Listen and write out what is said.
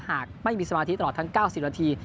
หากไม่มีสมาธิตลอดทั้ง๙๐นาที